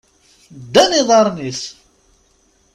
Ddan iḍarren-is!